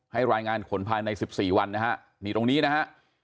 รายงานขนภายใน๑๔วันนะฮะนี่ตรงนี้นะฮะ